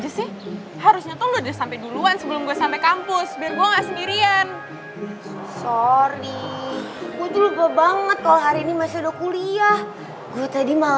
sampai jumpa di video selanjutnya